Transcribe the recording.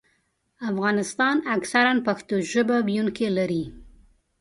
افغانستان اکثراً پښتو ژبه ویونکي لري.